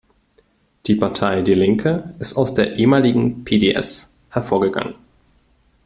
Die Partei die Linke ist aus der ehemaligen P-D-S hervorgegangen.